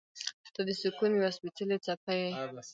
• ته د سکون یوه سپېڅلې څپه یې.